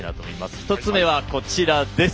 １つ目はこちらです。